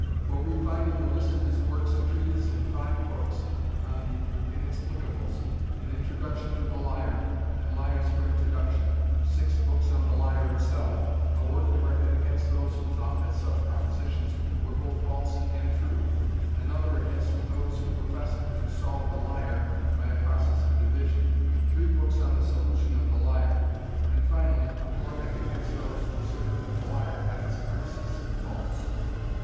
For we find in the list of his works a treatise in five books on the Inexplicables an Introduction to the Liar and Liars for Introduction, six books on the Liar itself, a work directed against those who thought that such propositions were both false and true, another against those who professed to solve the Liar by a process of division, three books on the solution of the Liar, and finally a polemic against those who asserted that the Liar had its premises false.